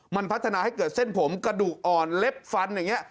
มันพัฒนาให้เกิดเส้นผมกระดูกอ่อนเล็บฟันอย่างนี้